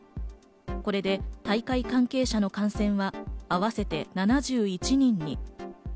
これで大会関係者の感染は合わせて７１人に。